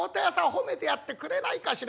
褒めてやってくれないかしら』